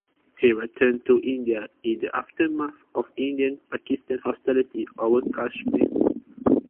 He returned to India in the aftermath of Indian Pakistan hostilities over Kashmir.